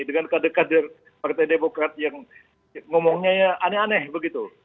dengan kader kader partai demokrat yang ngomongnya ya aneh aneh begitu